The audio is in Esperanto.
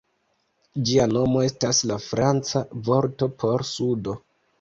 Ĝia nomo estas la franca vorto por "sudo".